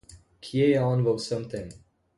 Kje je on v vsem tem?